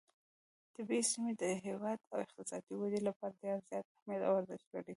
طبیعي زیرمې د هېواد د اقتصادي ودې لپاره ډېر زیات اهمیت او ارزښت لري.